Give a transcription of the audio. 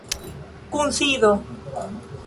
kunsido